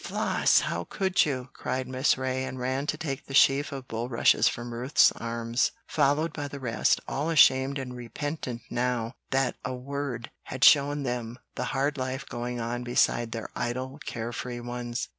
"Floss, how could you!" cried Miss Ray, and ran to take the sheaf of bulrushes from Ruth's arms, followed by the rest, all ashamed and repentant now that a word had shown them the hard life going on beside their idle, care free ones.